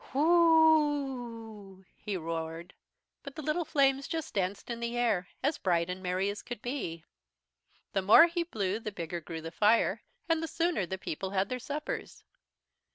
"Whurrrrrrooooooooooooooo!!!! he roared, but the little flames just danced in the air, as bright and as merry as could be. "The more he blew the bigger grew the fire, and the sooner the people had their suppers.